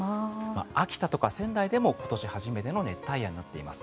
秋田とか仙台でも今年初めての熱帯夜になっています。